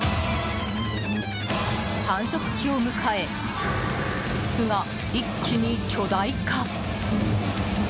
繁殖期を迎え、巣が一気に巨大化。